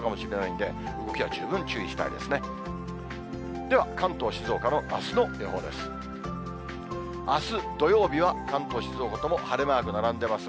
では、関東、静岡のあすの予報です。